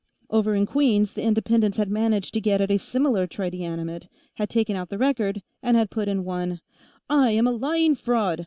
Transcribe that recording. Over in Queens, the Independents had managed to get at a similar tridianimate, had taken out the record, and had put in one: _I am a lying fraud!